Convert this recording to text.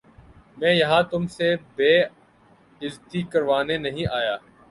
میں یہاں تم سے بے عزتی کروانے نہیں آیا